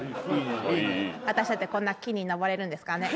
私だってこんな木に登れるんですからね。